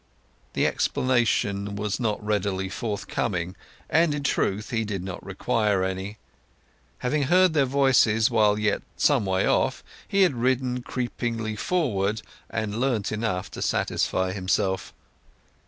The explanation was not readily forthcoming; and, in truth, he did not require any. Having heard their voices while yet some way off he had ridden creepingly forward, and learnt enough to satisfy himself.